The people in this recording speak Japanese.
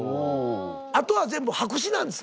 あとは全部白紙なんです